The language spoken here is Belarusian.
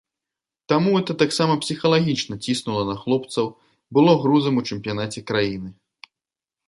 Таму гэта таксама псіхалагічна ціснула на хлопцаў, было грузам у чэмпіянаце краіны.